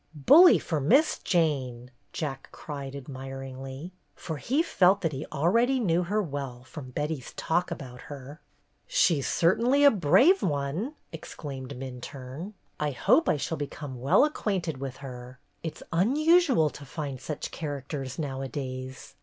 "Bully for Miss Jane!" Jack cried ad miringly, for he felt that he already knew her well, from Betty's talk about her. "She 's certainly a brave one!" exclaimed Minturne. "I hope I shall become well ac 154 BETTY BAIRD'S GOLDEN YEAR quainted with her. It 's unusual to find such characters nowadays.